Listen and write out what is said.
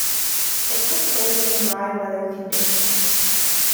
It took place in dry weather conditions.